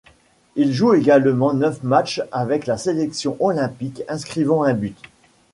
Il joue également neuf matchs avec la sélection olympique, inscrivant un but.